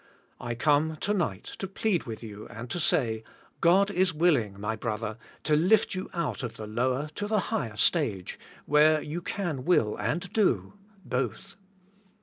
I come, to night, to plead with you and to say, God is willing, my brother, to lift you out of the lower to the higher stage, where you can will and do^ both.